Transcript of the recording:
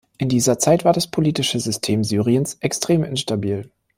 In dieser Zeit war das politische System Syriens extrem instabil.